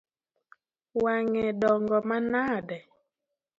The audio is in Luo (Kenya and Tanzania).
Wang’e dongo manade?